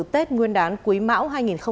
tết nguyên đán quý mão hai nghìn hai mươi